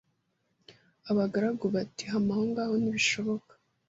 Abagaragu bati Hama ahongaho ntibishoboka